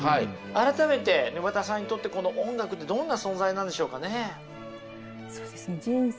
改めて沼田さんにとってこの音楽ってどんな存在なんでしょうかね？